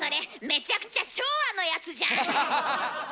めちゃくちゃ昭和のやつじゃん。